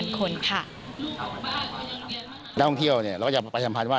นักท่องเที่ยวเราก็จะประชัมภัณฑ์ว่า